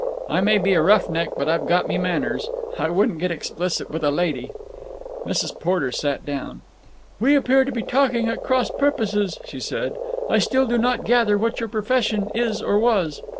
"I may be a rough neck, but I've got me manners. I wouldn't get explicit with a lady." Mrs. Porter sat down. "We appear to be talking at cross purposes," she said. "I still do not gather what your profession is or was."